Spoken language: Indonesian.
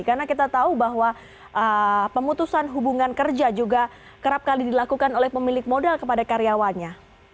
karena kita tahu bahwa pemutusan hubungan kerja juga kerap kali dilakukan oleh pemilik modal kepada karyawannya